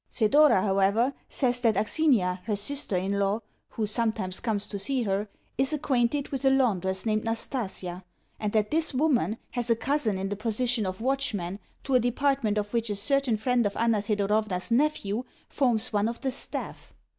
Thedora, however, says that Aksinia, her sister in law (who sometimes comes to see her), is acquainted with a laundress named Nastasia, and that this woman has a cousin in the position of watchman to a department of which a certain friend of Anna Thedorovna's nephew forms one of the staff.